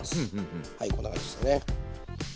はいこんな感じですかね。